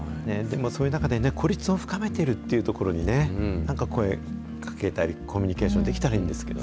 そういう中でね、孤立を深めているというところにね、なんか声かけたり、コミュニケーションできたりしたらいいんですけど。